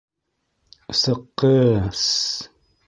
Сыҡҡы... с-с...